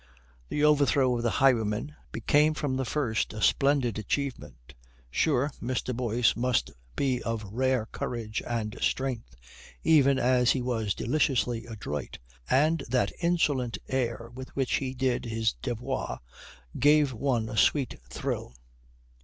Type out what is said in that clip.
The overthrow of the highwayman became from the first a splendid achievement. Sure, Mr. Boyce must be of rare courage and strength, even as he was deliciously adroit, and that insolent air with which he did his devoir gave one a sweet thrill.